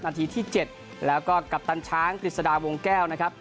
นาทีที่๗แล้วก็กัปตันช้างกฤษฎาวงแก้วนะครับ